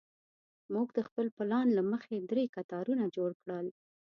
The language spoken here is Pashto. موږ د خپل پلان له مخې درې کتارونه جوړ کړل.